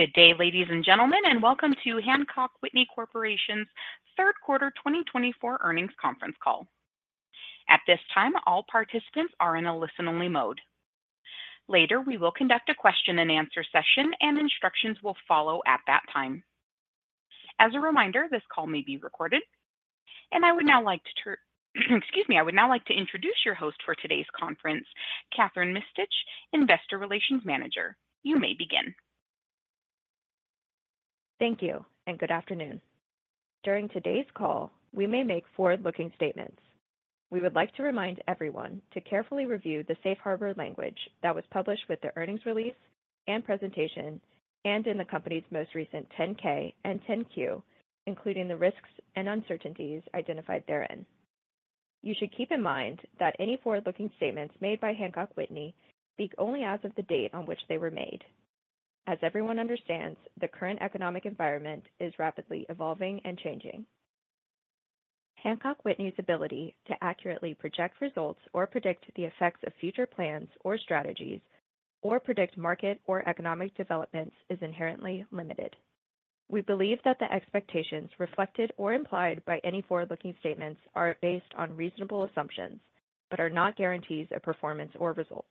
Good day, ladies and gentlemen, and welcome to Hancock Whitney Corporation's Third Quarter 2024 Earnings Conference Call. At this time, all participants are in a listen-only mode. Later, we will conduct a question and answer session, and instructions will follow at that time. As a reminder, this call may be recorded, and I would now like to turn, excuse me. I would now like to introduce your host for today's conference, Kathryn Mistich, Investor Relations Manager. You may begin. Thank you, and good afternoon. During today's call, we may make forward-looking statements. We would like to remind everyone to carefully review the safe harbor language that was published with the earnings release and presentation and in the company's most recent 10-K and 10-Q, including the risks and uncertainties identified therein. You should keep in mind that any forward-looking statements made by Hancock Whitney speak only as of the date on which they were made. As everyone understands, the current economic environment is rapidly evolving and changing. Hancock Whitney's ability to accurately project results or predict the effects of future plans or strategies or predict market or economic developments is inherently limited. We believe that the expectations reflected or implied by any forward-looking statements are based on reasonable assumptions, but are not guarantees of performance or results,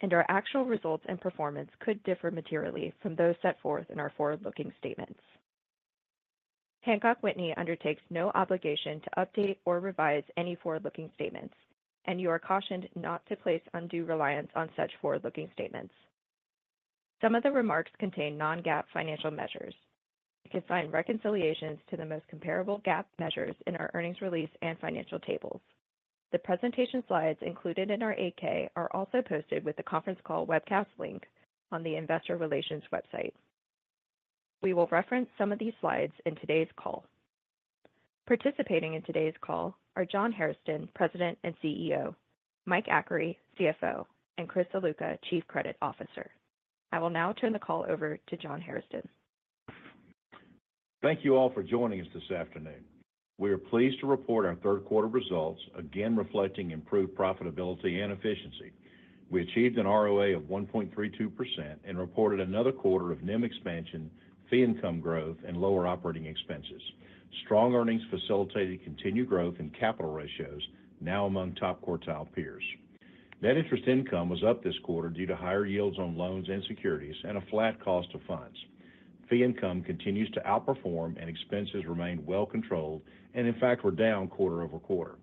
and our actual results and performance could differ materially from those set forth in our forward-looking statements. Hancock Whitney undertakes no obligation to update or revise any forward-looking statements, and you are cautioned not to place undue reliance on such forward-looking statements. Some of the remarks contain non-GAAP financial measures. You can find reconciliations to the most comparable GAAP measures in our earnings release and financial tables. The presentation slides included in our 8-K are also posted with the conference call webcast link on the investor relations website. We will reference some of these slides in today's call. Participating in today's call are John Hairston, President and CEO, Mike Achary, CFO, and Chris Ziluca, Chief Credit Officer. I will now turn the call over to John Hairston. Thank you all for joining us this afternoon. We are pleased to report our third quarter results, again reflecting improved profitability and efficiency. We achieved an ROA of 1.32% and reported another quarter of NIM expansion, fee income growth, and lower operating expenses. Strong earnings facilitated continued growth in capital ratios, now among top quartile peers. Net interest income was up this quarter due to higher yields on loans and securities and a flat cost of funds. Fee income continues to outperform and expenses remain well controlled and in fact, were down quarter over quarter.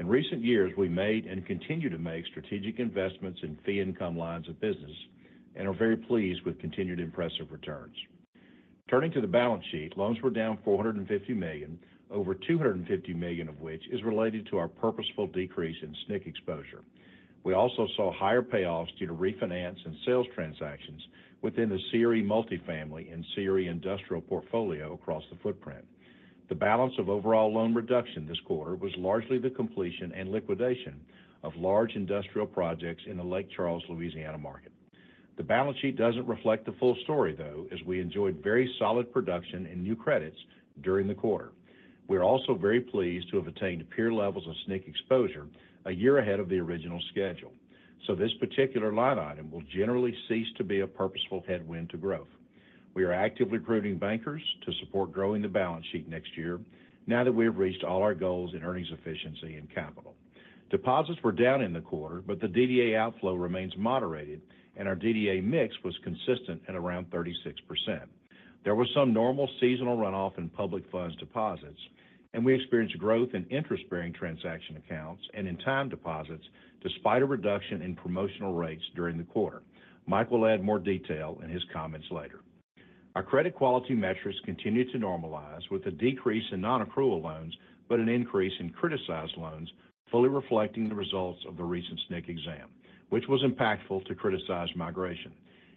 In recent years, we made and continue to make strategic investments in fee income lines of business and are very pleased with continued impressive returns. Turning to the balance sheet, loans were down $450 million, over $250 million of which is related to our purposeful decrease in SNC exposure. We also saw higher payoffs due to refinance and sales transactions within the CRE multifamily and CRE industrial portfolio across the footprint. The balance of overall loan reduction this quarter was largely the completion and liquidation of large industrial projects in the Lake Charles, Louisiana, market. The balance sheet doesn't reflect the full story, though, as we enjoyed very solid production and new credits during the quarter. We are also very pleased to have attained peer levels of SNC exposure a year ahead of the original schedule. So this particular line item will generally cease to be a purposeful headwind to growth. We are actively recruiting bankers to support growing the balance sheet next year now that we have reached all our goals in earnings, efficiency, and capital. Deposits were down in the quarter, but the DDA outflow remains moderated, and our DDA mix was consistent at around 36%. There was some normal seasonal runoff in public funds deposits, and we experienced growth in interest-bearing transaction accounts and in time deposits, despite a reduction in promotional rates during the quarter. Mike will add more detail in his comments later. Our credit quality metrics continued to normalize with a decrease in non-accrual loans, but an increase in criticized loans, fully reflecting the results of the recent SNC exam, which was impactful to criticized migration.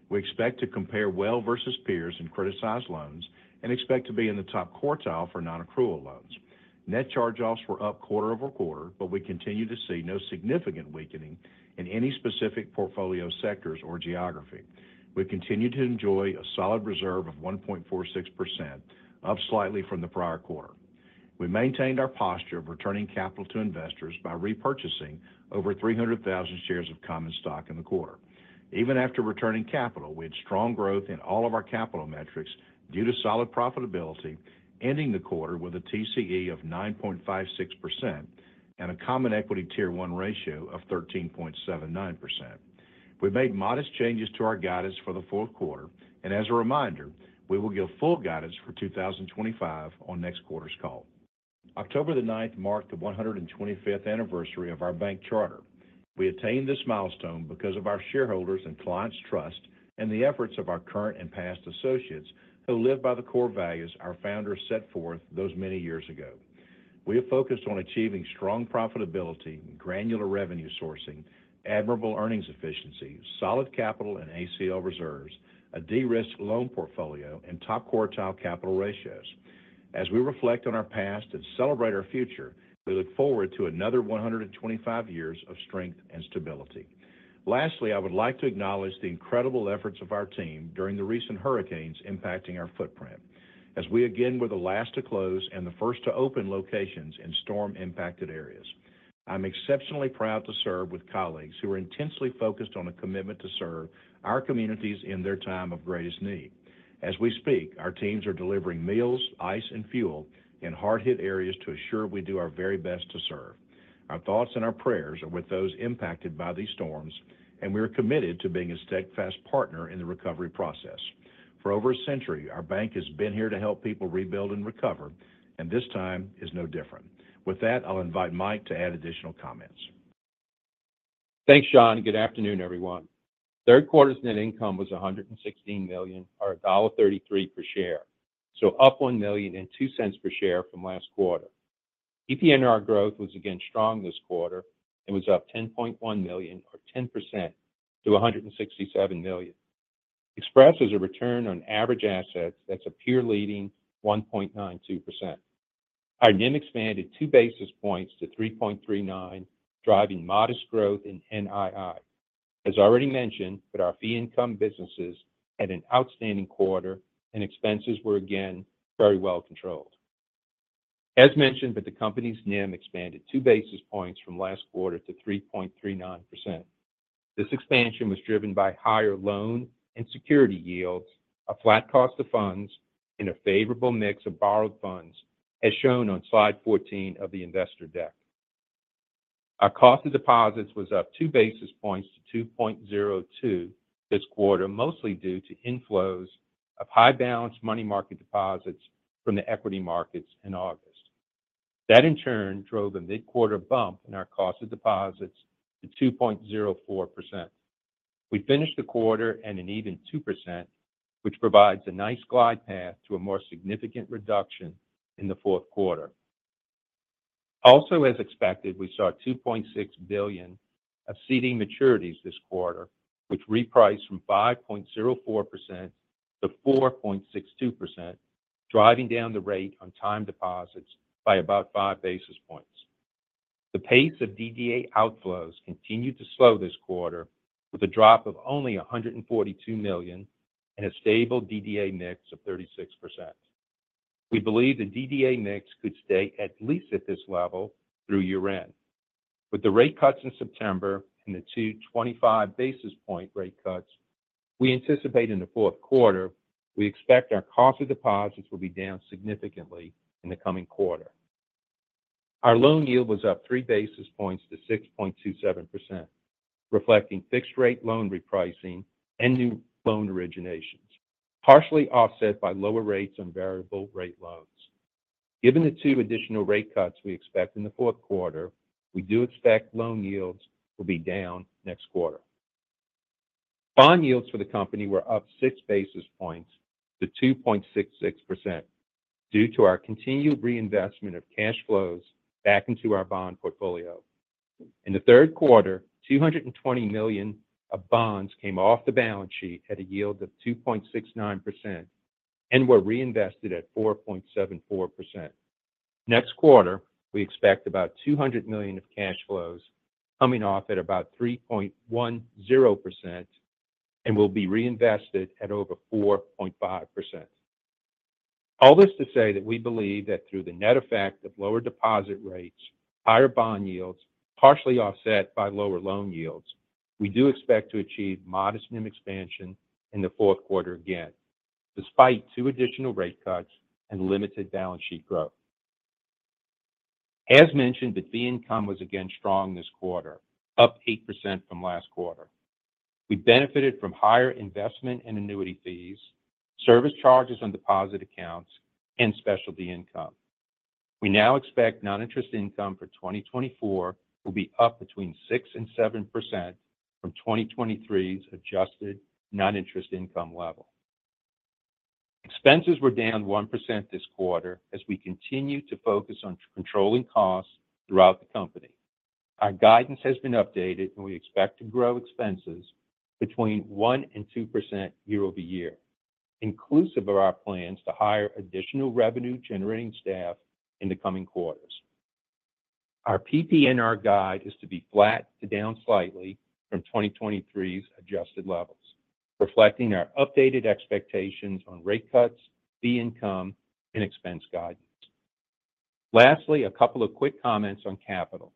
We expect to compare well versus peers in criticized loans and expect to be in the top quartile for non-accrual loans. Net charge-offs were up quarter over quarter, but we continue to see no significant weakening in any specific portfolio sectors or geography. We continue to enjoy a solid reserve of 1.46%, up slightly from the prior quarter. We maintained our posture of returning capital to investors by repurchasing over 300,000 shares of common stock in the quarter. Even after returning capital, we had strong growth in all of our capital metrics due to solid profitability, ending the quarter with a TCE of 9.56% and a Common Equity Tier 1 ratio of 13.79%. We made modest changes to our guidance for the fourth quarter, and as a reminder, we will give full guidance for 2025 on next quarter's call. October 9th marked the 125th anniversary of our bank charter. We attained this milestone because of our shareholders' and clients' trust and the efforts of our current and past associates, who live by the core values our founders set forth those many years ago. We are focused on achieving strong profitability, granular revenue sourcing, admirable earnings efficiency, solid capital and ACL reserves, a de-risked loan portfolio, and top quartile capital ratios. As we reflect on our past and celebrate our future, we look forward to another 125 years of strength and stability. Lastly, I would like to acknowledge the incredible efforts of our team during the recent hurricanes impacting our footprint, as we again were the last to close and the first to open locations in storm-impacted areas. I'm exceptionally proud to serve with colleagues who are intensely focused on a commitment to serve our communities in their time of greatest need. As we speak, our teams are delivering meals, ice, and fuel in hard-hit areas to ensure we do our very best to serve. Our thoughts and our prayers are with those impacted by these storms, and we are committed to being a steadfast partner in the recovery process. For over a century, our bank has been here to help people rebuild and recover, and this time is no different. With that, I'll invite Mike to add additional comments. Thanks, John, and good afternoon, everyone. Third quarter's net income was $116 million, or $1.33 per share, so up $1 million and $0.02 per share from last quarter. PPNR growth was again strong this quarter and was up $10.1 million, or 10% to $167 million. Express as a return on average assets, that's a peer-leading 1.92%. Our NIM expanded 2 basis points to 3.39%, driving modest growth in NII. As already mentioned, but our fee income businesses had an outstanding quarter and expenses were again very well controlled. As mentioned, the company's NIM expanded 2 basis points from last quarter to 3.39%. This expansion was driven by higher loan and security yields, a flat cost of funds, and a favorable mix of borrowed funds, as shown on slide 14 of the investor deck. Our cost of deposits was up 2 basis points to 2.02% this quarter, mostly due to inflows of high balance money market deposits from the equity markets in August. That, in turn, drove a mid-quarter bump in our cost of deposits to 2.04%. We finished the quarter at an even 2%, which provides a nice glide path to a more significant reduction in the fourth quarter. Also, as expected, we saw $2.6 billion of CD maturities this quarter, which repriced from 5.04% to 4.62%, driving down the rate on time deposits by about 5 basis points. The pace of DDA outflows continued to slow this quarter, with a drop of only $142 million and a stable DDA mix of 36%. We believe the DDA mix could stay at least at this level through year-end. With the rate cuts in September and the two 25 basis point rate cuts we anticipate in the fourth quarter, we expect our cost of deposits will be down significantly in the coming quarter. Our loan yield was up 3 basis points to 6.27%, reflecting fixed rate loan repricing and new loan originations, partially offset by lower rates on variable rate loans. Given the two additional rate cuts we expect in the fourth quarter, we do expect loan yields will be down next quarter. Bond yields for the company were up 6 basis points to 2.66% due to our continued reinvestment of cash flows back into our bond portfolio. In the third quarter, 220 million of bonds came off the balance sheet at a yield of 2.69% and were reinvested at 4.74%. Next quarter, we expect about $200 million of cash flows coming off at about 3.10% and will be reinvested at over 4.5%. All this to say that we believe that through the net effect of lower deposit rates, higher bond yields, partially offset by lower loan yields, we do expect to achieve modest NIM expansion in the fourth quarter again, despite two additional rate cuts and limited balance sheet growth. As mentioned, the fee income was again strong this quarter, up 8% from last quarter. We benefited from higher investment and annuity fees, service charges on deposit accounts, and specialty income. We now expect non-interest income for 2024 will be up between 6% and 7% from 2023's adjusted non-interest income level. Expenses were down 1% this quarter as we continue to focus on controlling costs throughout the company. Our guidance has been updated, and we expect to grow expenses between 1% and 2% year over year, inclusive of our plans to hire additional revenue-generating staff in the coming quarters. Our PPNR guide is to be flat to down slightly from 2023's adjusted levels, reflecting our updated expectations on rate cuts, fee income, and expense guidance. Lastly, a couple of quick comments on capital.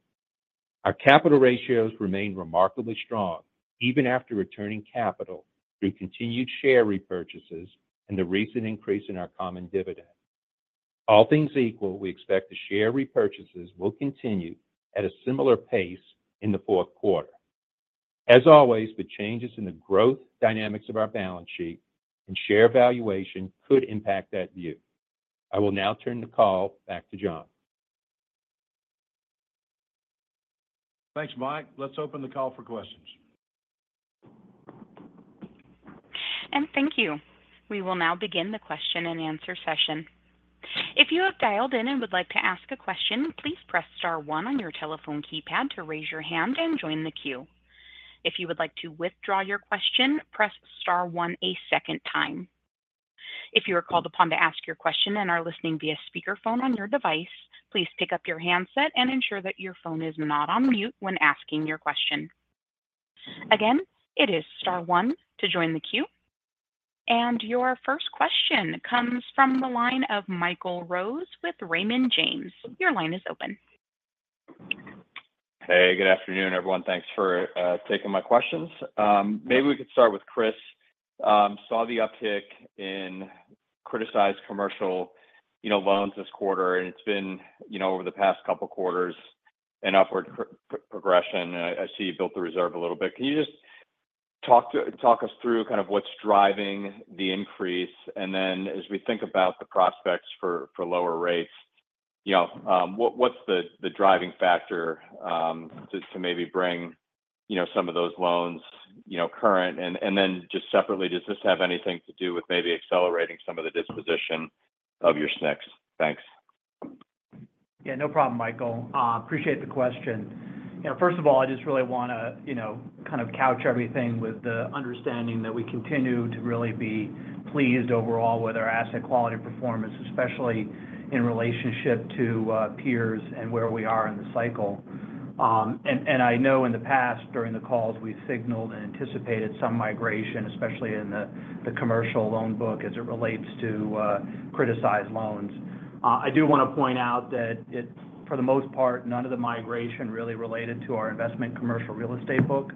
Our capital ratios remain remarkably strong, even after returning capital through continued share repurchases and the recent increase in our common dividend. All things equal, we expect the share repurchases will continue at a similar pace in the fourth quarter. As always, the changes in the growth dynamics of our balance sheet and share valuation could impact that view. I will now turn the call back to John. Thanks, Mike. Let's open the call for questions. Thank you. We will now begin the question-and-answer session. If you have dialed in and would like to ask a question, please press star one on your telephone keypad to raise your hand and join the queue. If you would like to withdraw your question, press star one a second time. If you are called upon to ask your question and are listening via speakerphone on your device, please pick up your handset and ensure that your phone is not on mute when asking your question. Again, it is star one to join the queue. And your first question comes from the line of Michael Rose with Raymond James. Your line is open. Hey, good afternoon, everyone. Thanks for taking my questions. Maybe we could start with Chris. Saw the uptick in criticized commercial, you know, loans this quarter, and it's been, you know, over the past couple quarters an upward progression. I see you built the reserve a little bit. Can you just talk us through kind of what's driving the increase? And then as we think about the prospects for lower rates, you know, what, what's the driving factor, just to maybe bring, you know, some of those loans, you know, current? And then just separately, does this have anything to do with maybe accelerating some of the disposition of your SNCs? Thanks. Yeah, no problem, Michael. Appreciate the question. You know, first of all, I just really wanna, you know, kind of couch everything with the understanding that we continue to really be pleased overall with our asset quality performance, especially in relationship to peers and where we are in the cycle. And I know in the past, during the calls, we've signaled and anticipated some migration, especially in the commercial loan book as it relates to criticized loans. I do wanna point out that, for the most part, none of the migration really related to our investment commercial real estate book.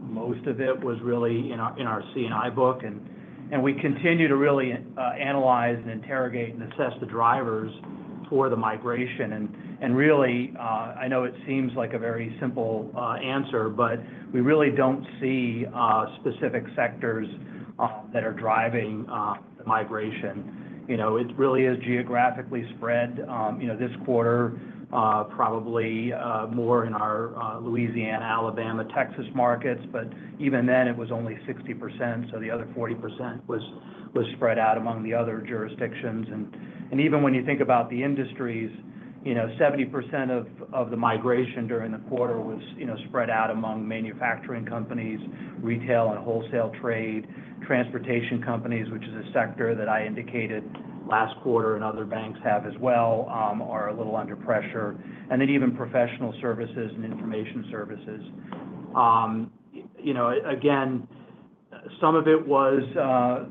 Most of it was really in our C&I book, and we continue to really analyze and interrogate and assess the drivers for the migration. And really, I know it seems like a very simple answer, but we really don't see specific sectors that are driving the migration. You know, it really is geographically spread. You know, this quarter, probably more in our Louisiana, Alabama, Texas markets, but even then, it was only 60%, so the other 40% was spread out among the other jurisdictions. And even when you think about the industries, you know, 70% of the migration during the quarter was, you know, spread out among manufacturing companies, retail and wholesale trade, transportation companies, which is a sector that I indicated last quarter, and other banks have as well, are a little under pressure, and then even professional services and information services. You know, again, some of it was,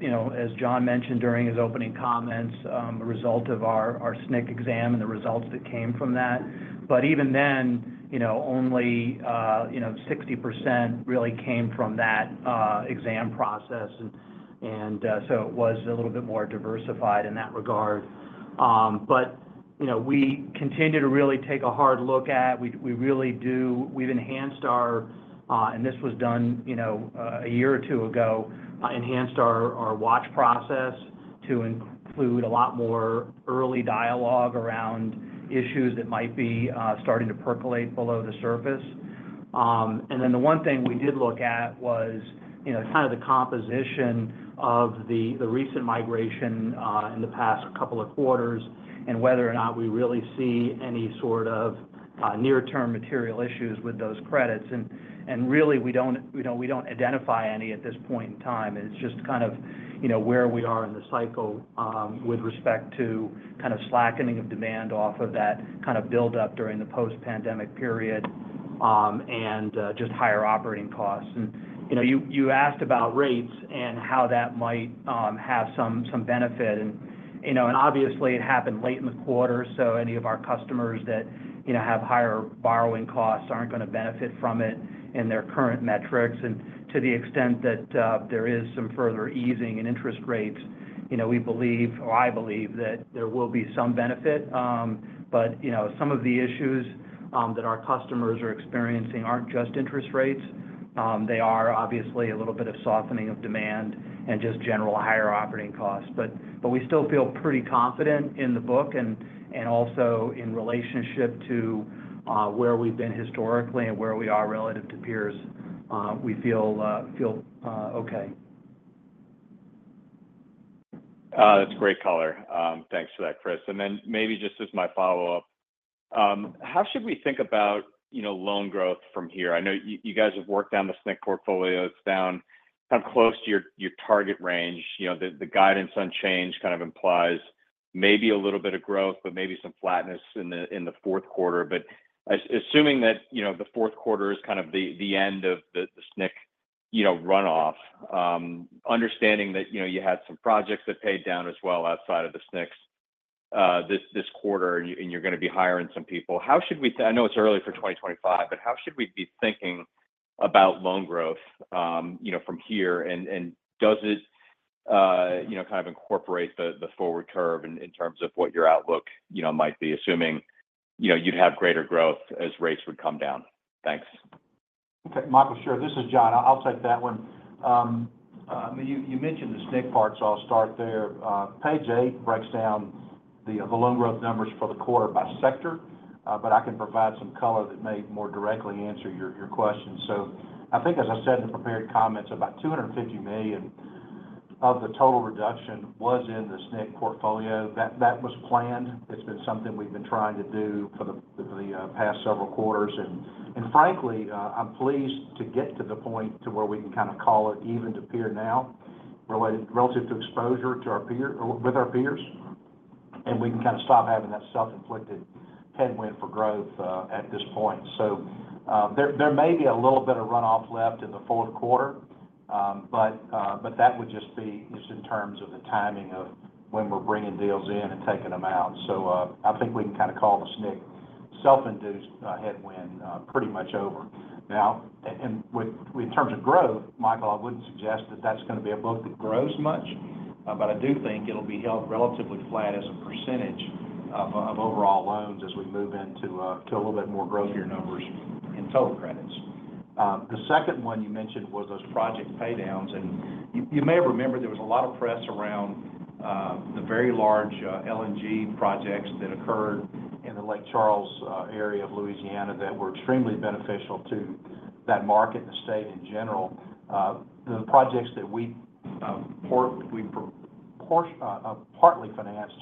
you know, as John mentioned during his opening comments, a result of our SNC exam and the results that came from that. But even then, you know, only, you know, 60% really came from that exam process. And so it was a little bit more diversified in that regard. But you know, we continue to really take a hard look at, we really do. We've enhanced our, and this was done, you know, a year or two ago, enhanced our watch process to include a lot more early dialogue around issues that might be starting to percolate below the surface. And then the one thing we did look at was, you know, kind of the composition of the recent migration in the past couple of quarters, and whether or not we really see any sort of near-term material issues with those credits. And really, we don't, you know, we don't identify any at this point in time. It's just kind of, you know, where we are in the cycle with respect to kind of slackening of demand off of that kind of buildup during the post-pandemic period, and just higher operating costs. And, you know, you asked about rates and how that might have some benefit. And, you know, obviously, it happened late in the quarter, so any of our customers that, you know, have higher borrowing costs aren't gonna benefit from it in their current metrics. To the extent that there is some further easing in interest rates, you know, we believe or I believe that there will be some benefit. But, you know, some of the issues that our customers are experiencing aren't just interest rates. They are obviously a little bit of softening of demand and just general higher operating costs. But we still feel pretty confident in the book and also in relationship to where we've been historically and where we are relative to peers, we feel okay. That's great color. Thanks for that, Chris, and then maybe just as my follow-up, how should we think about, you know, loan growth from here? I know you guys have worked down the SNC portfolio. It's down kind of close to your target range. You know, the guidance unchanged kind of implies maybe a little bit of growth, but maybe some flatness in the fourth quarter. But assuming that, you know, the fourth quarter is kind of the end of the SNC runoff, understanding that, you know, you had some projects that paid down as well outside of the SNCs this quarter, and you're gonna be hiring some people, how should we? I know it's early for 2025, but how should we be thinking about loan growth, you know, from here? Does it, you know, kind of incorporate the forward curve in terms of what your outlook, you know, might be, assuming, you know, you'd have greater growth as rates would come down? Thanks. Okay, Michael, sure. This is John. I'll take that one. You mentioned the SNC part, so I'll start there. Page eight breaks down the loan growth numbers for the quarter by sector, but I can provide some color that may more directly answer your question. So I think, as I said in the prepared comments, $250 million of the total reduction was in the SNC portfolio. That was planned. It's been something we've been trying to do for the past several quarters. And frankly, I'm pleased to get to the point where we can kind of call it even to peers now, relative to exposure to our peers, and we can kind of stop having that self-inflicted headwind for growth at this point. There may be a little bit of runoff left in the fourth quarter, but that would just be in terms of the timing of when we're bringing deals in and taking them out. I think we can kinda call the SNC self-induced headwind pretty much over. Now, and within terms of growth, Michael, I wouldn't suggest that that's gonna be a book that grows much, but I do think it'll be held relatively flat as a percentage of overall loans as we move into a little bit more growth year numbers in total credits. The second one you mentioned was those project paydowns, and you may remember there was a lot of press around the very large LNG projects that occurred in the Lake Charles area of Louisiana that were extremely beneficial to that market and the state in general. The projects that we partly financed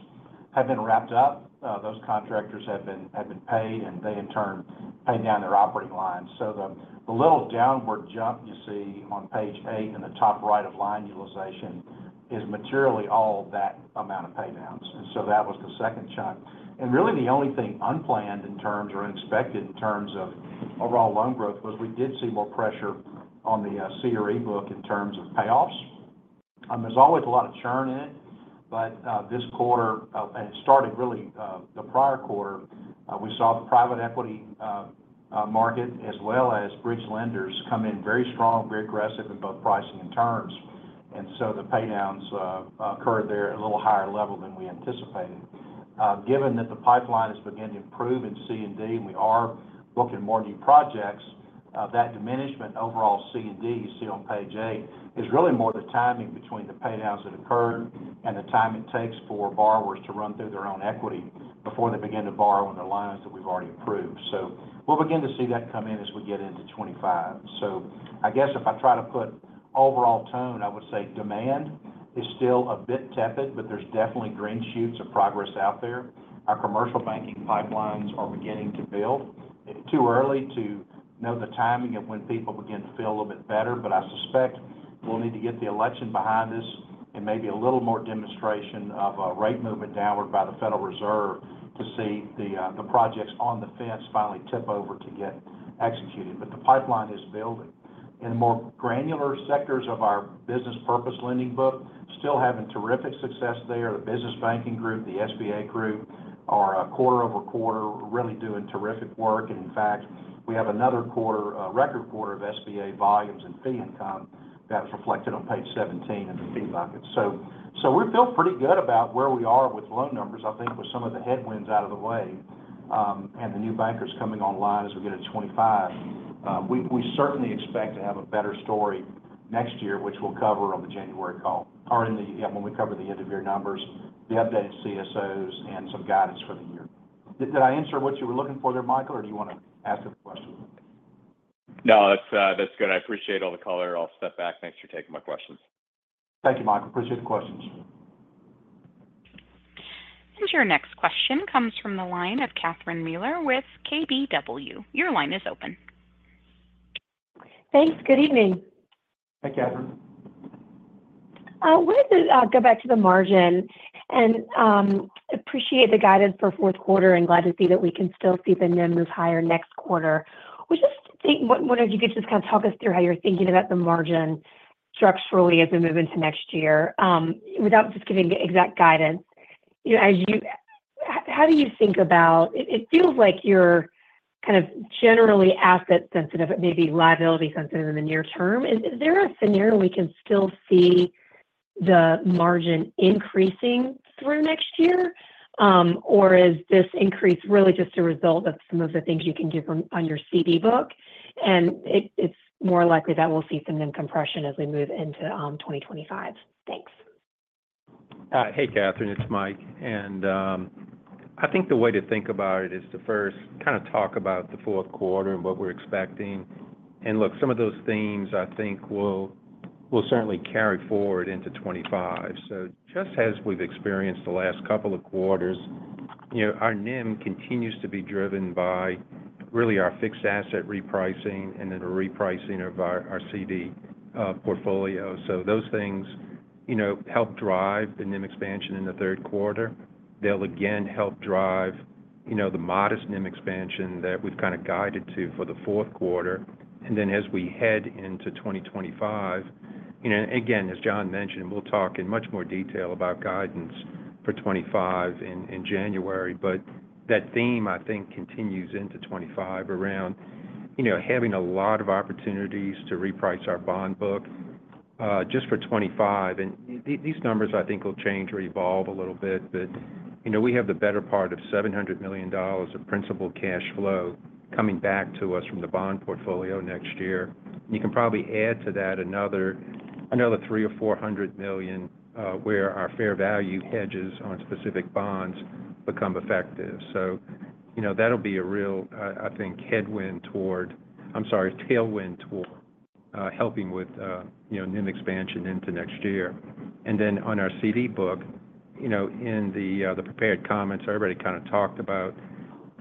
have been wrapped up. Those contractors have been paid, and they, in turn, paid down their operating lines, so the little downward jump you see on page eight in the top right of line utilization is materially all that amount of paydowns, and so that was the second chunk and really, the only thing unplanned in terms of or unexpected in terms of overall loan growth was we did see more pressure on the CRE book in terms of payoffs. There's always a lot of churn in it, but this quarter, and it started really the prior quarter, we saw the private equity market as well as bridge lenders come in very strong, very aggressive in both pricing and terms. And so the paydowns occurred there at a little higher level than we anticipated. Given that the pipeline has begun to improve in C&I, and we are booking more new projects, that diminishment overall C&I you see on page eight is really more the timing between the paydowns that occurred and the time it takes for borrowers to run through their own equity before they begin to borrow on their lines that we've already approved. So we'll begin to see that come in as we get into 2025. So, I guess if I try to put overall tone, I would say demand is still a bit tepid, but there's definitely green shoots of progress out there. Our commercial banking pipelines are beginning to build. It's too early to know the timing of when people begin to feel a little bit better, but I suspect we'll need to get the election behind us and maybe a little more demonstration of a rate movement downward by the Federal Reserve to see the, the projects on the fence finally tip over to get executed. But the pipeline is building. In more granular sectors of our business purpose lending book, still having terrific success there. The business banking group, the SBA group, are a quarter over quarter, really doing terrific work. And in fact, we have another quarter, record quarter of SBA volumes and fee income that's reflected on page 17 in the fee bucket. So we feel pretty good about where we are with loan numbers, I think, with some of the headwinds out of the way, and the new bankers coming online as we get to 2025. We certainly expect to have a better story next year, which we'll cover on the January call, or in the, yeah, when we cover the end of year numbers, the updated CSOs and some guidance for the year. Did I answer what you were looking for there, Michael, or do you want to ask a question? No, that's good. I appreciate all the color. I'll step back. Thanks for taking my questions. Thank you, Michael. Appreciate the questions. And your next question comes from the line of Catherine Mealor with KBW. Your line is open. Thanks. Good evening. Hi, Catherine. Wanted to go back to the margin and appreciate the guidance for fourth quarter, and glad to see that we can still see the NIM move higher next quarter. Was just wondering if you could just kind of talk us through how you're thinking about the margin structurally as we move into next year? Without just giving the exact guidance, you know, how do you think about. It feels like you're kind of generally asset sensitive, maybe liability sensitive in the near term. Is there a scenario we can still see the margin increasing through next year? Or is this increase really just a result of some of the things you can do from, on your CD book, and it's more likely that we'll see some NIM compression as we move into 2025? Thanks. Hey, Catherine, it's Mike. I think the way to think about it is to first kind of talk about the fourth quarter and what we're expecting. Look, some of those themes, I think, will certainly carry forward into 2025. Just as we've experienced the last couple of quarters, you know, our NIM continues to be driven by really our fixed asset repricing and then a repricing of our CD portfolio. So those things, you know, help drive the NIM expansion in the third quarter. They'll, again, help drive, you know, the modest NIM expansion that we've kind of guided to for the fourth quarter. Then as we head into 2025, you know, again, as John mentioned, we'll talk in much more detail about guidance for 2025 in January. But that theme, I think, continues into 2025 around, you know, having a lot of opportunities to reprice our bond book, just for 2025. And these numbers, I think, will change or evolve a little bit, but, you know, we have the better part of $700 million of principal cash flow coming back to us from the bond portfolio next year. You can probably add to that another $300 million or $400 million, where our fair value hedges on specific bonds become effective. So, you know, that'll be a real, I think, headwind toward. I'm sorry, tailwind toward, helping with, you know, NIM expansion into next year. And then on our CD book, you know, in the prepared comments, I already kind of talked about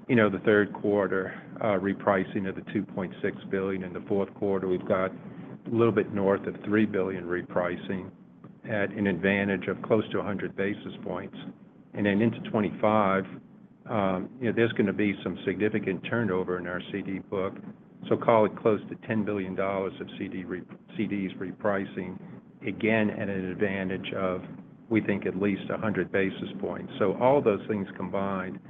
you know, the third quarter repricing of the $2.6 billion. In the fourth quarter, we've got a little bit north of $3 billion repricing at an advantage of close to 100 basis points. And then into 2025, you know, there's gonna be some significant turnover in our CD book, so call it close to $10 billion of CDs repricing, again, at an advantage of, we think, at least 100 basis points. So all those things combined,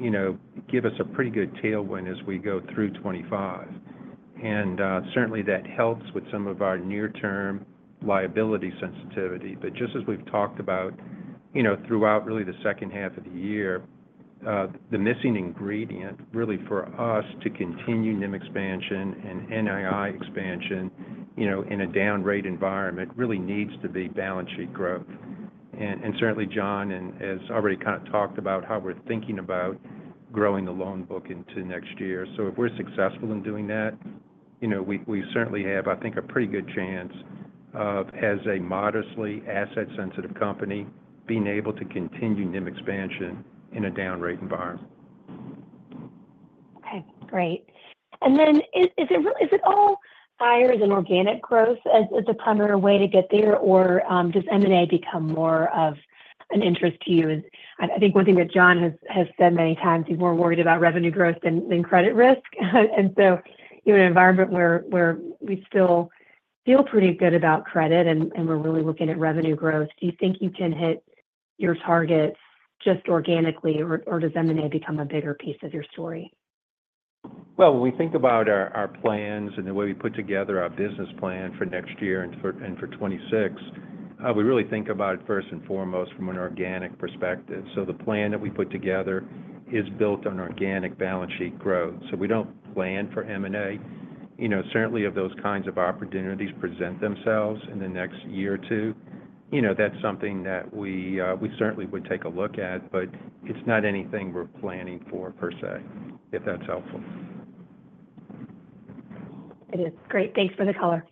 you know, give us a pretty good tailwind as we go through 2025. And certainly, that helps with some of our near-term liability sensitivity. But just as we've talked about, you know, throughout really the second half of the year, the missing ingredient, really, for us to continue NIM expansion and NII expansion, you know, in a down rate environment, really needs to be balance sheet growth. Certainly, John has already kind of talked about how we're thinking about growing the loan book into next year, so if we're successful in doing that, you know, we certainly have, I think, a pretty good chance of, as a modestly asset-sensitive company, being able to continue NIM expansion in a down rate environment. Okay, great. And then is it all hires and organic growth as a primary way to get there? Or does M&A become more of an interest to you? I think one thing that John has said many times, he's more worried about revenue growth than credit risk. And so in an environment where we still feel pretty good about credit, and we're really looking at revenue growth, do you think you can hit your targets just organically, or does M&A become a bigger piece of your story? When we think about our plans and the way we put together our business plan for next year and for 2026, we really think about it first and foremost from an organic perspective. So the plan that we put together is built on organic balance sheet growth. So we don't plan for M&A. You know, certainly, if those kinds of opportunities present themselves in the next year or two, you know, that's something that we, we certainly would take a look at, but it's not anything we're planning for, per se, if that's helpful. It is. Great. Thanks for the color.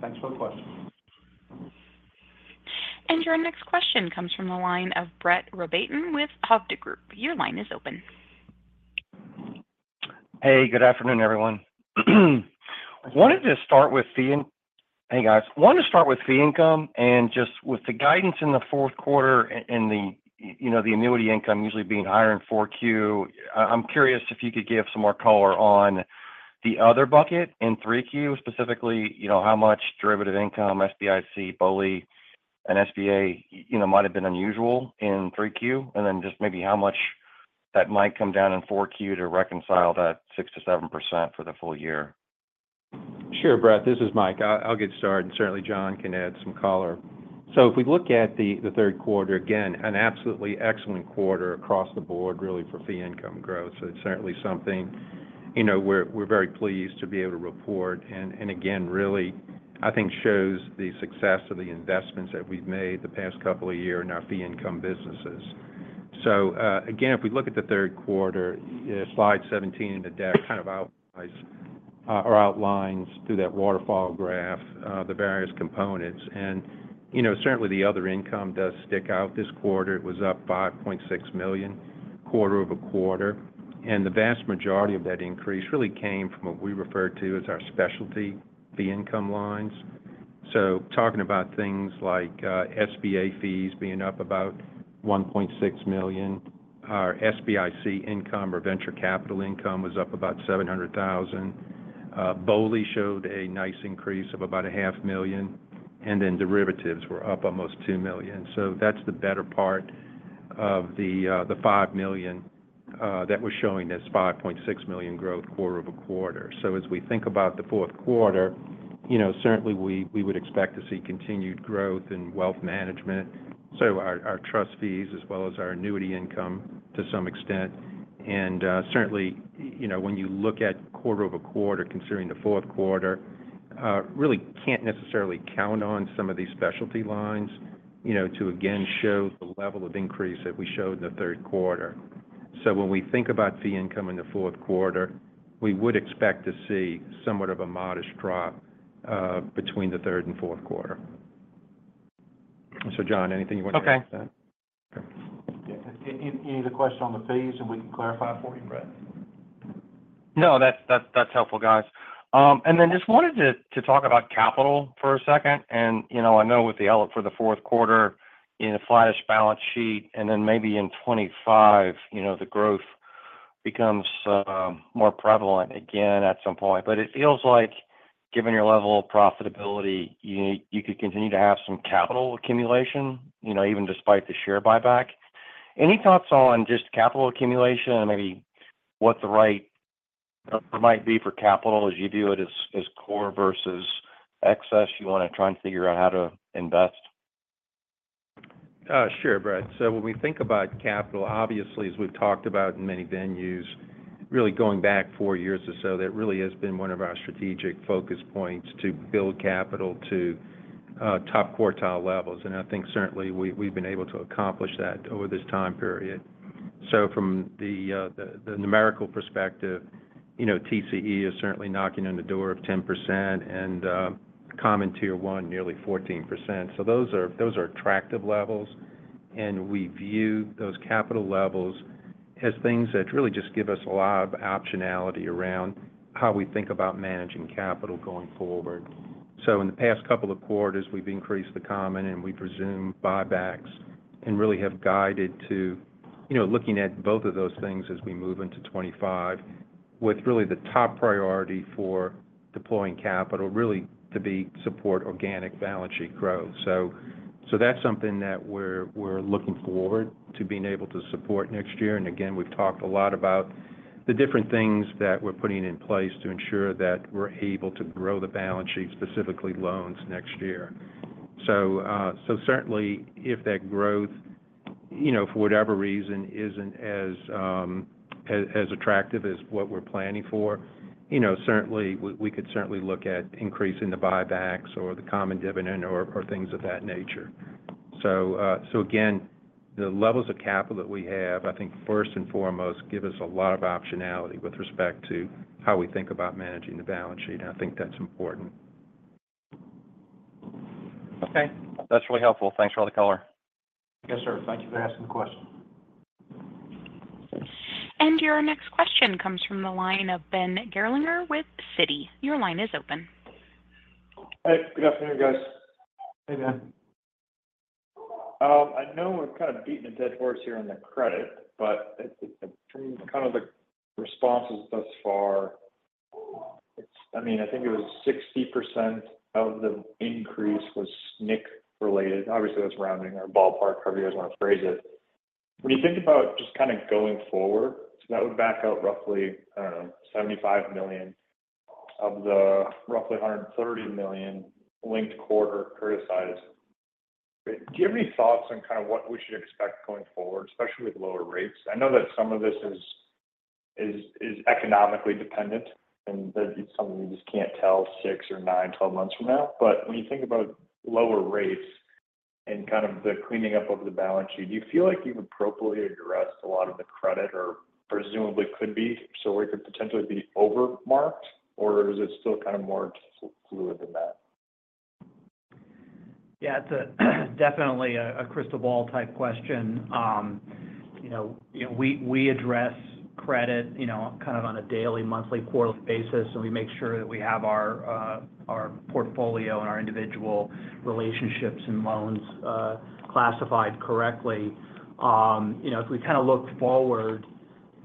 Thanks for the question. Your next question comes from the line of Brett Rabatin with Hovde Group. Your line is open. Hey, good afternoon, everyone. Wanted to start with fee income and just with the guidance in the fourth quarter and, and the, you know, the annuity income usually being higher in 4Q. I'm curious if you could give some more color on the other bucket in 3Q, specifically, you know, how much derivative income, SBIC, BOLI, and SBA, you know, might have been unusual in 3Q? And then just maybe how much that might come down in 4Q to reconcile that 6%-7% for the full year. Sure, Brett. This is Mike. I'll get started, and certainly John can add some color. So if we look at the third quarter, again, an absolutely excellent quarter across the board, really, for fee income growth. So it's certainly something, you know, we're very pleased to be able to report, and again, really, I think shows the success of the investments that we've made the past couple of years in our fee income businesses. So again, if we look at the third quarter, slide 17 in the deck kind of outlines or outlines through that waterfall graph the various components. And, you know, certainly, the other income does stick out. This quarter, it was up $5.6 million, quarter over quarter, and the vast majority of that increase really came from what we refer to as our specialty fee income lines. So talking about things like, SBA fees being up about $1.6 million. Our SBIC income or venture capital income was up about $700,000. BOLI showed a nice increase of about $500,000, and then derivatives were up almost $2 million. So that's the better part of the $5 million that was showing this $5.6 million growth quarter over quarter. So as we think about the fourth quarter, you know, certainly, we would expect to see continued growth in wealth management, so our trust fees as well as our annuity income to some extent. Certainly, you know, when you look at quarter over quarter, considering the fourth quarter, really can't necessarily count on some of these specialty lines, you know, to again show the level of increase that we showed in the third quarter. When we think about fee income in the fourth quarter, we would expect to see somewhat of a modest drop between the third and fourth quarter. John, anything you want to add to that? Okay. Okay. Yeah. Is the question on the fees, and we can clarify for you, Brett? No, that's helpful, guys. And then just wanted to talk about capital for a second. And, you know, I know with the L for the fourth quarter in a flattish balance sheet, and then maybe in 2025, you know, the growth becomes more prevalent again at some point. But it feels like, given your level of profitability, you could continue to have some capital accumulation, you know, even despite the share buyback. Any thoughts on just capital accumulation and maybe what the right number might be for capital as you view it, as core versus excess, you want to try and figure out how to invest? Sure, Brett. So when we think about capital, obviously, as we've talked about in many venues, really going back four years or so, that really has been one of our strategic focus points, to build capital to top quartile levels. And I think certainly we've been able to accomplish that over this time period. So from the numerical perspective, you know, TCE is certainly knocking on the door of 10%. And Common Tier 1 nearly 14%. So those are attractive levels, and we view those capital levels as things that really just give us a lot of optionality around how we think about managing capital going forward. So in the past couple of quarters, we've increased the common, and we presume buybacks and really have guided to, you know, looking at both of those things as we move into 2025, with really the top priority for deploying capital really to be support organic balance sheet growth. So that's something that we're looking forward to being able to support next year. And again, we've talked a lot about the different things that we're putting in place to ensure that we're able to grow the balance sheet, specifically loans next year. So certainly, if that growth, you know, for whatever reason, isn't as attractive as what we're planning for, you know, certainly, we could certainly look at increasing the buybacks or the common dividend or things of that nature. So again, the levels of capital that we have, I think first and foremost, give us a lot of optionality with respect to how we think about managing the balance sheet, and I think that's important. Okay, that's really helpful. Thanks for all the color. Yes, sir. Thank you for asking the question. Your next question comes from the line of Ben Gerlinger with Citi. Your line is open. Hey, good afternoon, guys. Hey, Ben. I know we're kind of beating a dead horse here on the credit, but kind of the responses thus far. I mean, I think it was 60% of the increase was SNC-related. Obviously, that's rounding or ballpark, however you guys want to phrase it. When you think about just kind of going forward, so that would back out roughly, I don't know, $75 million of the roughly $130 million linked quarter criticized. Do you have any thoughts on kind of what we should expect going forward, especially with lower rates? I know that some of this is economically dependent and that it's something you just can't tell six or nine, 12 months from now. But when you think about lower rates and kind of the cleaning up of the balance sheet, do you feel like you've appropriately addressed a lot of the credit or presumably could be, so it could potentially be over-marked, or is it still kind of more fluid than that? Yeah, it's definitely a crystal ball-type question. You know, we address credit, you know, kind of on a daily, monthly, quarterly basis, and we make sure that we have our portfolio and our individual relationships and loans classified correctly. You know, if we kind of look forward,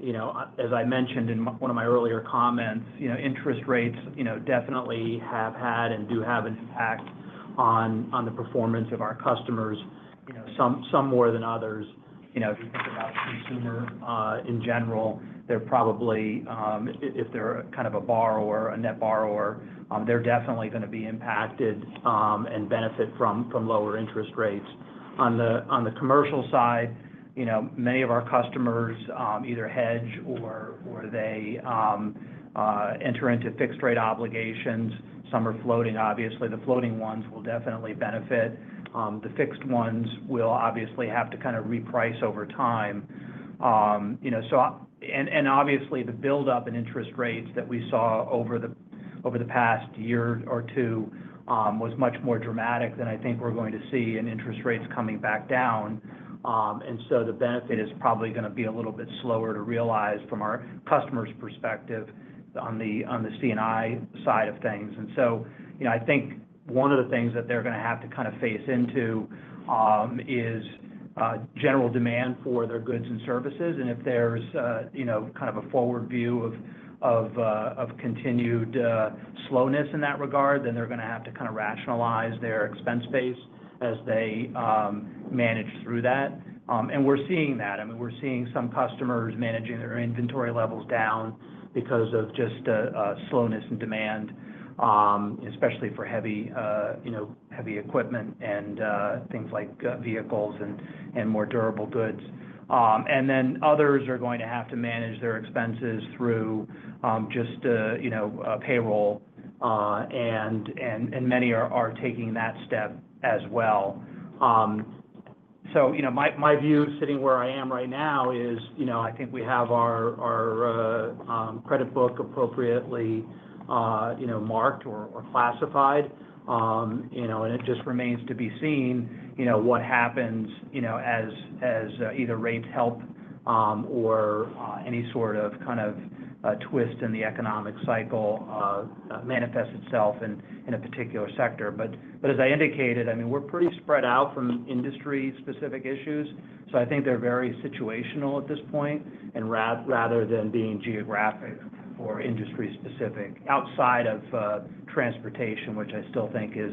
you know, as I mentioned in one of my earlier comments, you know, interest rates, you know, definitely have had and do have an impact on the performance of our customers, you know, some more than others. You know, if you think about consumer in general, they're probably, if they're kind of a borrower, a net borrower, they're definitely going to be impacted and benefit from lower interest rates. On the commercial side, you know, many of our customers either hedge or enter into fixed rate obligations. Some are floating. Obviously, the floating ones will definitely benefit. The fixed ones will obviously have to kind of reprice over time. You know, obviously, the buildup in interest rates that we saw over the past year or two was much more dramatic than I think we're going to see in interest rates coming back down. And so the benefit is probably going to be a little bit slower to realize from our customers' perspective on the C&I side of things. And so, you know, I think one of the things that they're going to have to kind of face into is general demand for their goods and services. And if there's a, you know, kind of a forward view of continued slowness in that regard, then they're going to have to kind of rationalize their expense base as they manage through that. And we're seeing that. I mean, we're seeing some customers managing their inventory levels down because of just a slowness in demand, especially for heavy, you know, heavy equipment and things like vehicles and more durable goods. And then others are going to have to manage their expenses through just a, you know, a payroll, and many are taking that step as well. So, you know, my view, sitting where I am right now is, you know, I think we have our credit book appropriately, you know, marked or classified. You know, and it just remains to be seen, you know, what happens, you know, as, as, either rates help, or, any sort of kind of a twist in the economic cycle, manifests itself in, in a particular sector. But, but as I indicated, I mean, we're pretty spread out from industry-specific issues, so I think they're very situational at this point, and rather than being geographic or industry specific, outside of, transportation, which I still think is.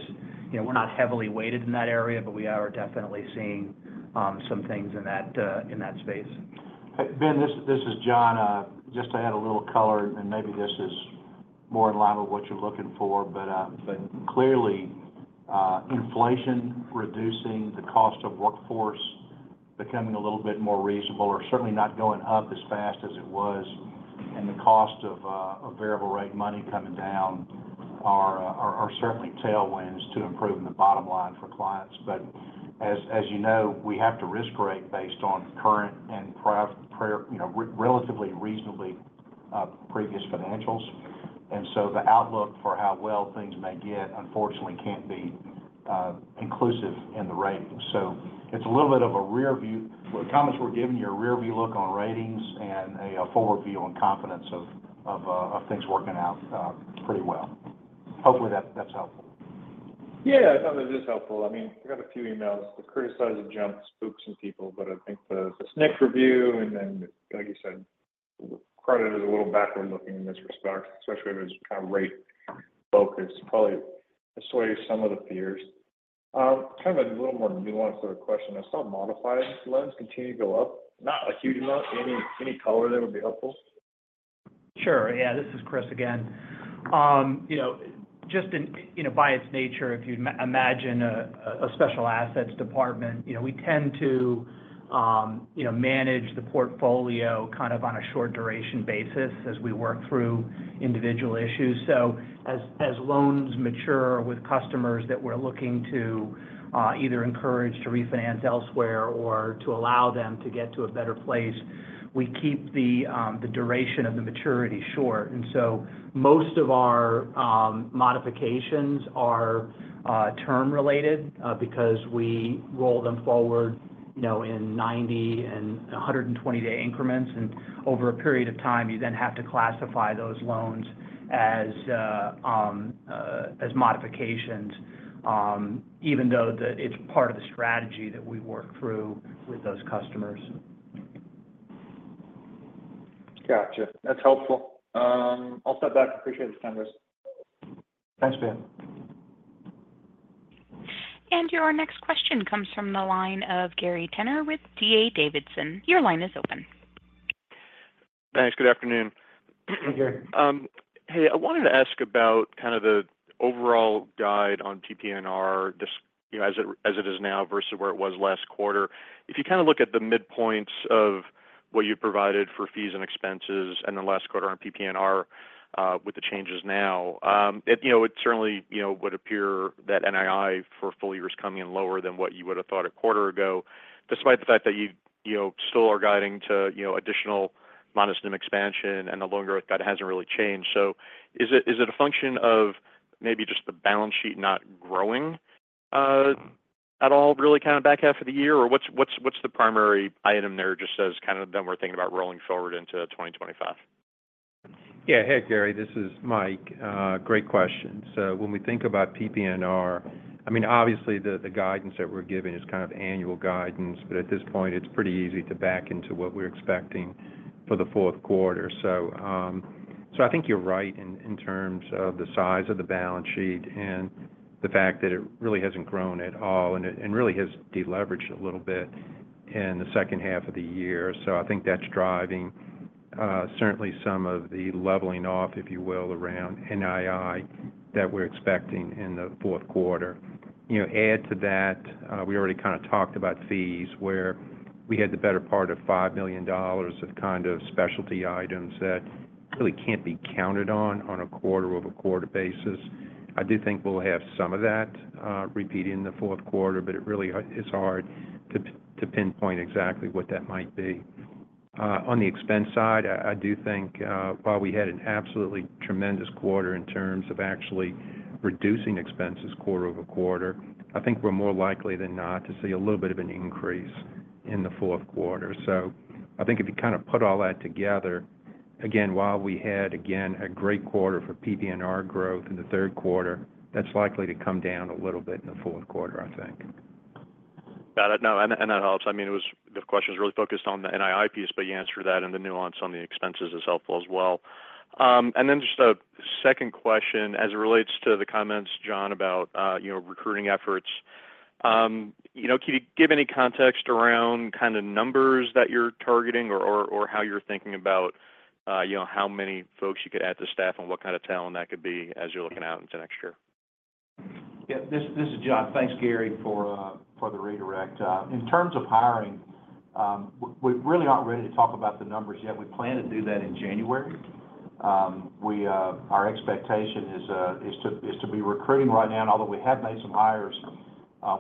You know, we're not heavily weighted in that area, but we are definitely seeing, some things in that, in that space. Ben, this is John. Just to add a little color, and maybe this is more in line with what you're looking for, but clearly, inflation, reducing the cost of workforce becoming a little bit more reasonable or certainly not going up as fast as it was, and the cost of variable rate money coming down are certainly tailwinds to improving the bottom line for clients. But as you know, we have to risk rate based on current and prior, you know, previous financials. And so the outlook for how well things may get, unfortunately, can't be inclusive in the ratings. So it's a little bit of a rear view. The comments we're giving you are a rear view look on ratings and a forward view on confidence of things working out pretty well. Hopefully, that's helpful. Yeah, I thought it was helpful. I mean, I got a few emails. The criticism jump spooks some people, but I think the SNC review, and then, like you said, credit is a little backward-looking in this respect, especially when there's kind of rate focus, probably assuage some of the fears. Kind of a little more nuanced sort of question. I saw modified loans continue to go up, not a huge amount. Any color that would be helpful? Sure. Yeah, this is Chris again. You know, just in, you know, by its nature, if you imagine a special assets department, you know, we tend to, you know, manage the portfolio kind of on a short duration basis as we work through individual issues. So as loans mature with customers that we're looking to, either encourage to refinance elsewhere or to allow them to get to a better place, we keep the duration of the maturity short. And so most of our modifications are term-related because we roll them forward, you know, in 90- and 120-day increments. And over a period of time, you then have to classify those loans as modifications, even though it's part of the strategy that we work through with those customers. Gotcha. That's helpful. I'll step back. Appreciate the time, guys. Thanks, Ben. Your next question comes from the line of Gary Tenner with D.A. Davidson. Your line is open. Thanks. Good afternoon. Hey, Gary. Hey, I wanted to ask about kind of the overall guide on PPNR, you know, as it is now versus where it was last quarter. If you kind of look at the midpoints of what you provided for fees and expenses in the last quarter on PPNR, with the changes now, it, you know, certainly, you know, would appear that NII for a full year is coming in lower than what you would have thought a quarter ago, despite the fact that you, you know, still are guiding to, you know, additional modest NIM expansion and the loan growth, that hasn't really changed. So is it a function of maybe just the balance sheet not growing at all, really, kind of back half of the year? Or what's the primary item there, just as kind of then we're thinking about rolling forward into 2025? Yeah. Hey, Gary, this is Mike. Great question. So when we think about PPNR, I mean, obviously, the guidance that we're giving is kind of annual guidance, but at this point, it's pretty easy to back into what we're expecting for the fourth quarter. So, so I think you're right in terms of the size of the balance sheet and the fact that it really hasn't grown at all, and really has deleveraged a little bit in the second half of the year. So I think that's driving, certainly some of the leveling off, if you will, around NII that we're expecting in the fourth quarter. You know, add to that, we already kind of talked about fees, where we had the better part of $5 million of kind of specialty items that really can't be counted on, on a quarter-over-quarter basis. I do think we'll have some of that, repeat in the fourth quarter, but it really is hard to pinpoint exactly what that might be. On the expense side, I do think, while we had an absolutely tremendous quarter in terms of actually reducing expenses quarter over quarter, I think we're more likely than not to see a little bit of an increase in the fourth quarter. So, I think if you kind of put all that together, again, while we had, again, a great quarter for PPNR growth in the third quarter, that's likely to come down a little bit in the fourth quarter, I think. Got it. No, and that helps. I mean, the question is really focused on the NII piece, but you answered that, and the nuance on the expenses is helpful as well. And then just a second question, as it relates to the comments, John, about you know, recruiting efforts. You know, can you give any context around kind of numbers that you're targeting or how you're thinking about you know, how many folks you could add to staff and what kind of talent that could be as you're looking out into next year? Yeah, this is John. Thanks, Gary, for the redirect. In terms of hiring, we really aren't ready to talk about the numbers yet. We plan to do that in January. Our expectation is to be recruiting right now, and although we have made some hires,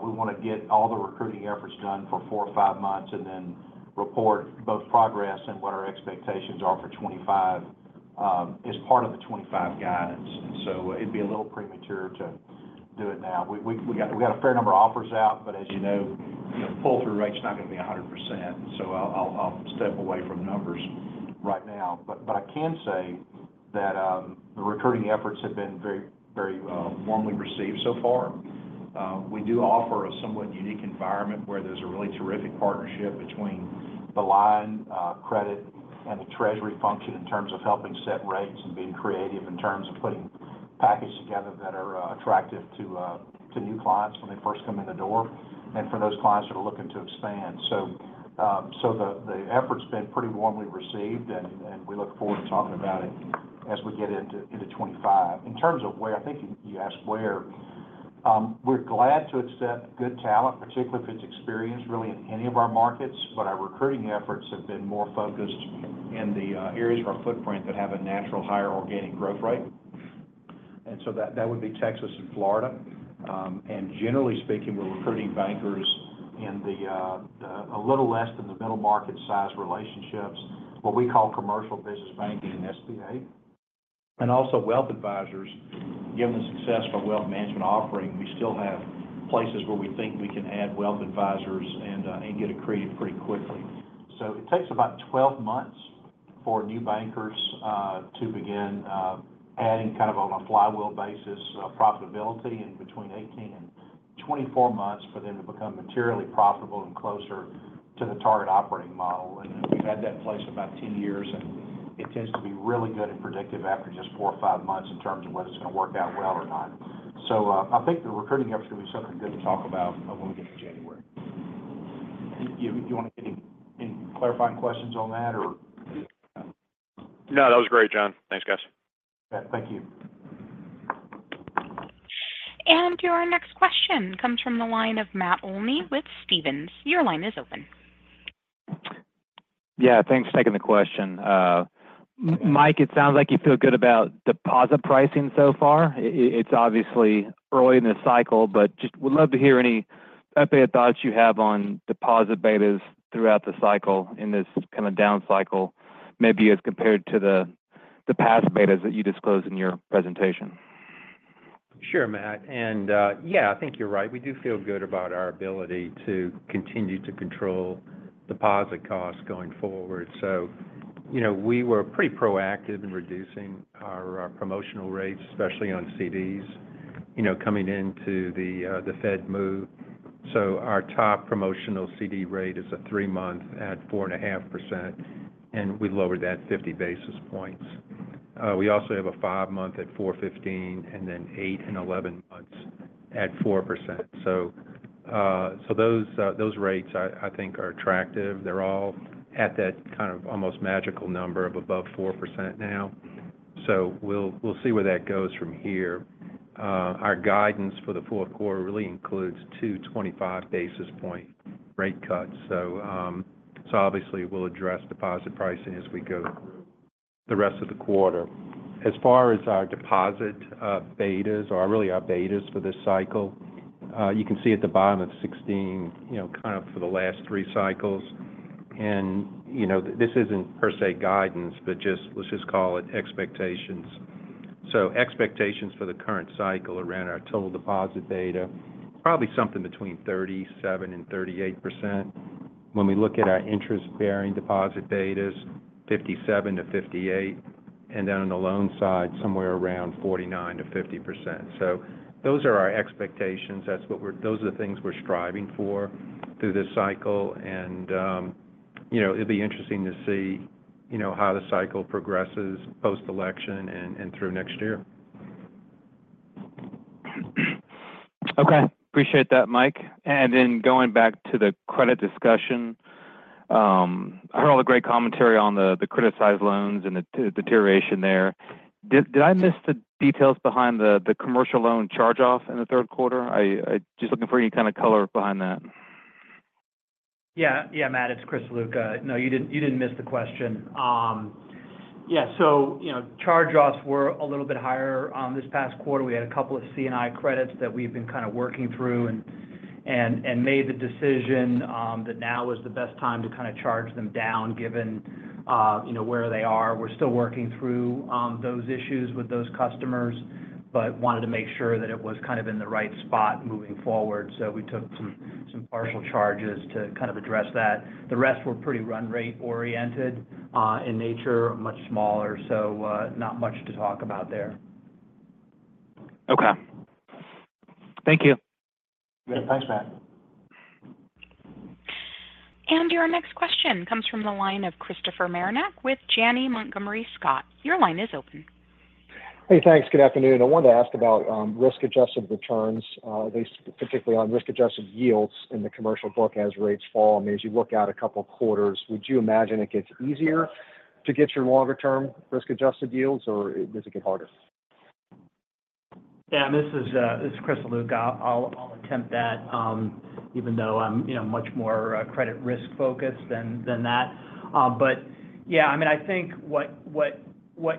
we want to get all the recruiting efforts done for four or five months and then report both progress and what our expectations are for 2025, as part of the 2025 guidance. So it'd be a little premature to do it now. We got a fair number of offers out, but as you know, pull-through rate is not going to be 100%. So I'll step away from numbers right now. But I can say that the recruiting efforts have been very, very warmly received so far. We do offer a somewhat unique environment where there's a really terrific partnership between the line credit and the treasury function in terms of helping set rates and being creative in terms of putting packages together that are attractive to new clients when they first come in the door, and for those clients that are looking to expand. So the effort's been pretty warmly received, and we look forward to talking about it as we get into 2025. In terms of where, I think you asked where, we're glad to accept good talent, particularly if it's experienced, really, in any of our markets, but our recruiting efforts have been more focused in the areas of our footprint that have a natural, higher organic growth rate. ... and so that would be Texas and Florida. And generally speaking, we're recruiting bankers in the a little less than the middle market size relationships, what we call commercial business banking and SBA. And also wealth advisors. Given the success of our wealth management offering, we still have places where we think we can add wealth advisors and get it created pretty quickly. So it takes about 12 months for new bankers to begin adding kind of on a flywheel basis profitability, and between 18 and 24 months for them to become materially profitable and closer to the target operating model. And we've had that in place for about 10 years, and it tends to be really good and predictive after just four or five months in terms of whether it's going to work out well or not. So, I think the recruiting effort is going to be something good to talk about, when we get to January. Do you want to get any clarifying questions on that, or? No, that was great, John. Thanks, guys. Yeah, thank you. Your next question comes from the line of Matt Olney with Stephens. Your line is open. Yeah, thanks for taking the question. Mike, it sounds like you feel good about deposit pricing so far. It's obviously early in the cycle, but just would love to hear any updated thoughts you have on deposit betas throughout the cycle in this kind of down cycle, maybe as compared to the, the past betas that you disclosed in your presentation. Sure, Matt. And, yeah, I think you're right. We do feel good about our ability to continue to control deposit costs going forward. So, you know, we were pretty proactive in reducing our, promotional rates, especially on CDs, you know, coming into the, the Fed move. So our top promotional CD rate is a three-month at 4.5%, and we lowered that 50 basis points. We also have a five-month at 4.15%, and then eight and 11 months at 4%. So, those rates I think are attractive. They're all at that kind of almost magical number of above 4% now. So we'll see where that goes from here. Our guidance for the fourth quarter really includes two 25 basis point rate cuts. So, obviously, we'll address deposit pricing as we go through the rest of the quarter. As far as our deposit betas or really our betas for this cycle, you can see at the bottom of 16, you know, kind of for the last three cycles. And, you know, this isn't per se, guidance, but just, let's just call it expectations. So expectations for the current cycle around our total deposit beta, probably something between 37% and 38%. When we look at our interest-bearing deposit betas, 57% to 58%, and then on the loan side, somewhere around 49% to 50%. So those are our expectations. That's what we're, those are the things we're striving for through this cycle. And, you know, it'll be interesting to see, you know, how the cycle progresses post-election and through next year. Okay. Appreciate that, Mike. And then going back to the credit discussion, I heard all the great commentary on the criticized loans and the deterioration there. Did I miss the details behind the commercial loan charge-off in the third quarter? I just looking for any kind of color behind that. Yeah. Yeah, Matt, it's Chris Ziluca. No, you didn't miss the question. Yeah, so, you know, charge-offs were a little bit higher this past quarter. We had a couple of C&I credits that we've been kind of working through and made the decision that now is the best time to kind of charge them down, given, you know, where they are. We're still working through those issues with those customers, but wanted to make sure that it was kind of in the right spot moving forward. So we took some partial charges to kind of address that. The rest were pretty run rate oriented in nature, much smaller, so not much to talk about there. Okay. Thank you. Yeah, thanks, Matt. And your next question comes from the line of Christopher Marinac with Janney Montgomery Scott. Your line is open. Hey, thanks. Good afternoon. I wanted to ask about risk-adjusted returns based particularly on risk-adjusted yields in the commercial book as rates fall. I mean, as you look out a couple of quarters, would you imagine it gets easier to get your longer-term risk-adjusted deals, or does it get harder? Yeah, this is Chris Ziluca. I'll attempt that, even though I'm, you know, much more credit risk-focused than that. But yeah, I mean, I think what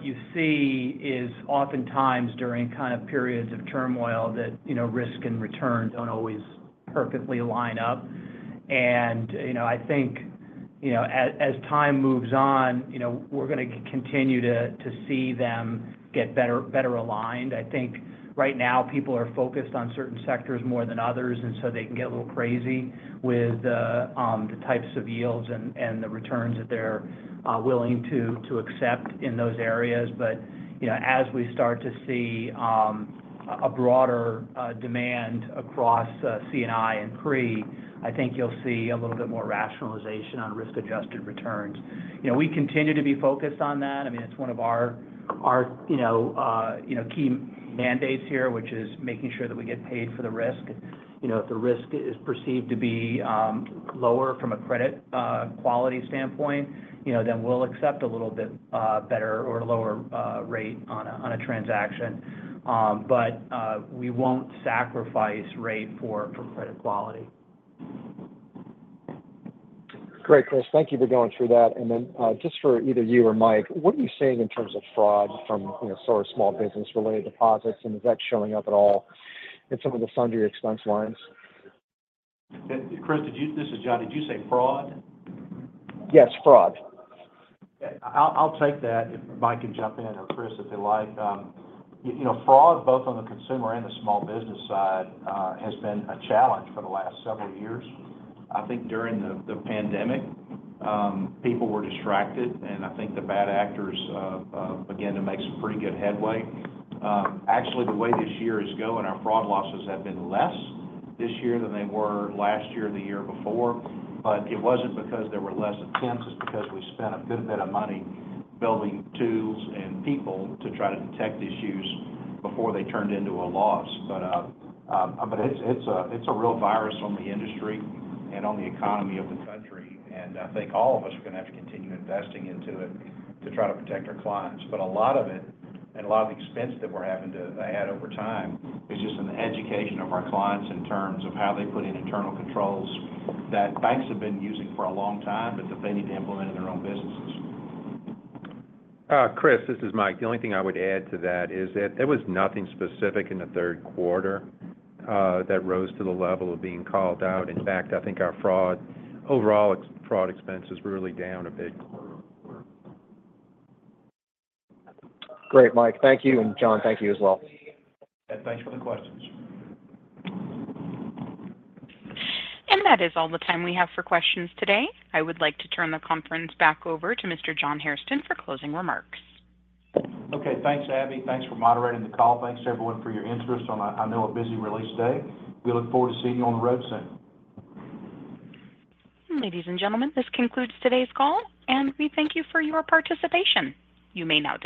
you see is oftentimes during kind of periods of turmoil that, you know, risk and return don't always perfectly line up. And, you know, I think, you know, as time moves on, you know, we're going to continue to see them get better aligned. I think right now, people are focused on certain sectors more than others, and so they can get a little crazy with the types of yields and the returns that they're willing to accept in those areas. But, you know, as we start to see a broader demand across C&I and CRE, I think you'll see a little bit more rationalization on risk-adjusted returns. You know, we continue to be focused on that. I mean, it's one of our you know key mandates here, which is making sure that we get paid for the risk. You know, if the risk is perceived to be lower from a credit quality standpoint, you know, then we'll accept a little bit better or lower rate on a transaction. But, we won't sacrifice rate for credit quality. Great, Chris, thank you for going through that. And then, just for either you or Mike, what are you seeing in terms of fraud from, you know, sort of small business-related deposits? And is that showing up at all in some of the sundry expense lines? And, Chris, did you-- this is John, did you say fraud? Yes, fraud. I'll take that if Mike can jump in, or Chris, if they like. You know, fraud, both on the consumer and the small business side, has been a challenge for the last several years. I think during the pandemic, people were distracted, and I think the bad actors began to make some pretty good headway. Actually, the way this year is going, our fraud losses have been less this year than they were last year or the year before. But it wasn't because there were less attempts, it's because we spent a good bit of money building tools and people to try to detect issues before they turned into a loss. But it's a real virus on the industry and on the economy of the country, and I think all of us are going to have to continue investing into it to try to protect our clients. But a lot of it, and a lot of the expense that we're having to add over time, is just in the education of our clients in terms of how they put in internal controls that banks have been using for a long time, but that they need to implement in their own businesses. Chris, this is Mike. The only thing I would add to that is that there was nothing specific in the third quarter that rose to the level of being called out. In fact, I think our fraud, overall check fraud expense is really down a bit. Great, Mike. Thank you, and John, thank you as well. Thanks for the questions. That is all the time we have for questions today. I would like to turn the conference back over to Mr. John Hairston for closing remarks. Okay. Thanks, Abby. Thanks for moderating the call. Thanks, everyone, for your interest on a, I know, a busy release day. We look forward to seeing you on the road soon. Ladies and gentlemen, this concludes today's call, and we thank you for your participation. You may now disconnect.